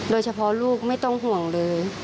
โดยเฉพาะลูกไม่ต้องห่วงเลย